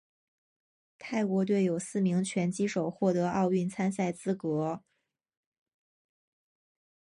泰国队有四名拳击手获得奥运参赛资格。